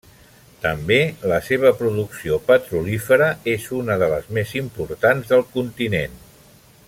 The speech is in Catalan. També, la seva producció petrolífera és una de les més importants del continent.